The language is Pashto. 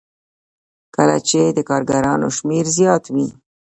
کله چې د کارګرانو شمېر زیات وي